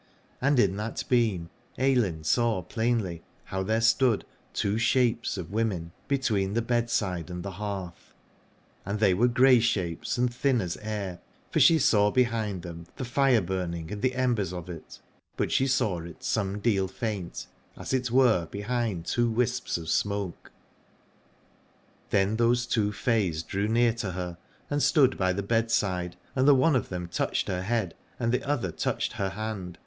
And in that beam Ailinn saw plainly how there stood two shapes of women between the bedside and the hearth. And they were grey shapes and thin as air, for she saw behind them the fire burning and the embers of it, but she saw it some deal faint, as it were behind two wisps of smoke. 6i Alad ore Then those two fays drew near to her and stood by the bedside, and the one of them touched her head and the other touched her hand.